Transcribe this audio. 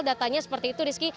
datanya seperti itu rizky